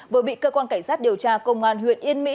vừa bị cơ quan cảnh sát điều tra công an huyện yên mỹ